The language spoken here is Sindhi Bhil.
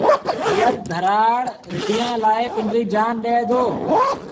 ڀلڙ ڌرآڙ رڍينٚ لآ پنڊريٚ جآن ڏي دو۔